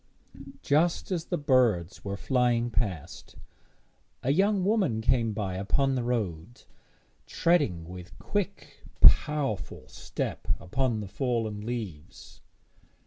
Just as the birds were flying past, a young woman came by upon the road, treading with quick powerful step upon the fallen leaves.